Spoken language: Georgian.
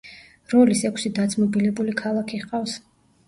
როლის ექვსი დაძმობილებული ქალაქი ჰყავს.